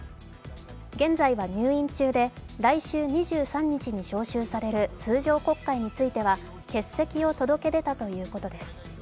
現在は入院中で、来週２３日に召集される通常国会については欠席を届け出たということです。